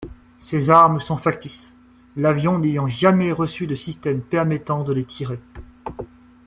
Ces armes sont factices, l'avion n'ayant jamais reçu de système permettant de les tirer.